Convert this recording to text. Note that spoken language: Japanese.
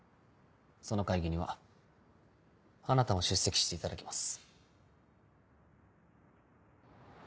その会議にはあなたも出席していただきます。